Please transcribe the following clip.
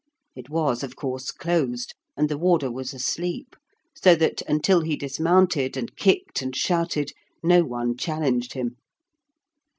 It was, of course, closed, and the warder was asleep; so that, until he dismounted, and kicked and shouted, no one challenged him.